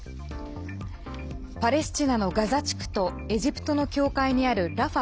パレスチナのガザ地区とエジプトの境界にあるラファ